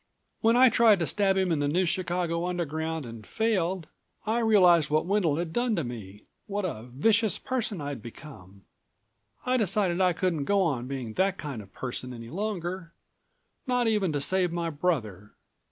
When I tried to stab him in the New Chicago Underground and failed ... I realized what Wendel had done to me, what a vicious person I'd become. I decided I couldn't go on being that kind of person any longer, not even to save my brother.